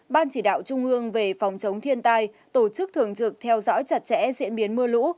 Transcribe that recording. ban chỉ đạo trung ương về phòng chống thiên tai tổ chức thường trực theo dõi chặt chẽ diễn biến mưa lũ